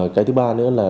cái thứ ba nữa là